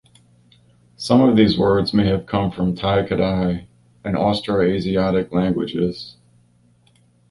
Some of these words may have come from Tai-Kadai and Austroasiatic languages.